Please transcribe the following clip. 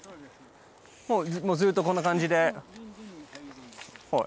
もうずっとこんな感じで？